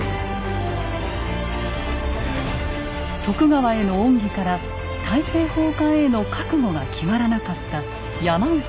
徳川への恩義から大政奉還への覚悟が決まらなかった山内容堂。